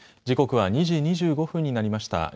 時刻は２時２５分になりました。